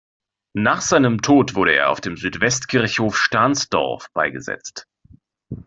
Nach seinem Tod wurde er auf dem Südwestkirchhof Stahnsdorf beigesetzt.